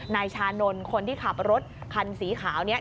นายชานนท์คนที่ขับรถคันสีขาวนี้